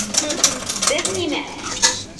Беҙ нимә!..